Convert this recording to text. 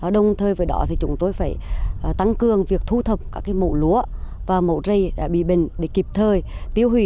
đồng thời với đó chúng tôi phải tăng cường việc thu thập các mẫu lúa và mẫu rây đã bị bệnh để kịp thời tiêu hủy